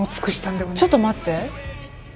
ちょっと待って。